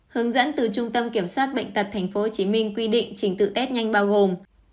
hướng dẫn từ trung tâm kiểm soát bệnh tật tp hcm quy định trình tự test nhanh bao gồm